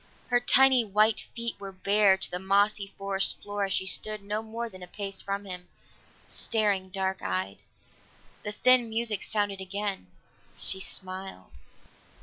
Her tiny white feet were bare to the mossy forest floor as she stood no more than a pace from him, staring dark eyed. The thin music sounded again; she smiled.